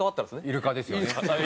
イルカですよね。